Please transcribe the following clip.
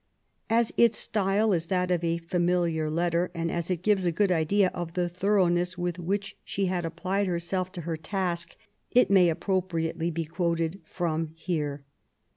As its style is that of a familiar letter, and as it gives a good idea of the thoroughness with which she had applied herself to her task^ it may appropriately be quoted from here.